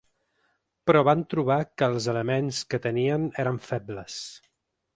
Però van trobar que ‘els elements’ que tenien eren febles.